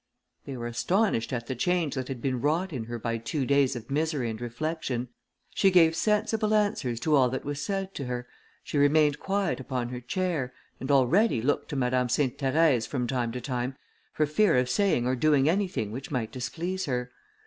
They were astonished at the change that had been wrought in her by two days of misery and reflection. She save sensible answers to all that was said to her, she remained quiet upon her chair, and already looked to Madame Sainte Therèse from time to time, for fear of saying or doing anything which might displease her.